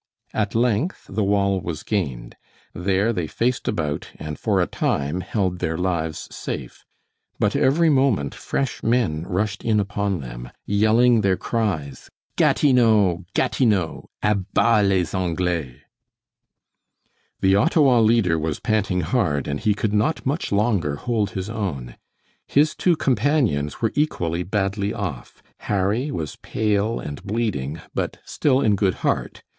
At length the wall was gained. There they faced about and for a time held their lives safe. But every moment fresh men rushed in upon them, yelling their cries, "Gatineau! Gatineau! A bas les Anglais!" The Ottawa leader was panting hard, and he could not much longer hold his own. His two companions were equally badly off. Harry was pale and bleeding, but still in good heart.